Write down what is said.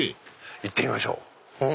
行ってみましょう。